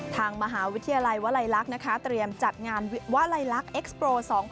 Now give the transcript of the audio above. ทางมหาวิทยาลัยวลัยลักษณ์นะคะเตรียมจัดงานวลัยลักษณ์เอ็กซ์โปร๒๐